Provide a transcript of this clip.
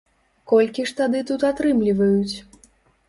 Колькі ж тады тут атрымліваюць?